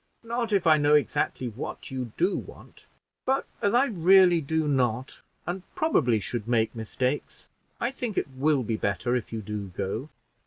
"Not if I know exactly what you do want; but as I really do not, and probably should make mistakes, I think it will be better if you do go.